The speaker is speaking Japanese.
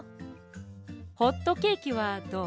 ホットケーキはどう？